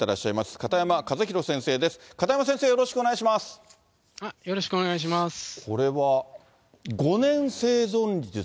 片山先生、よろしくお願いします。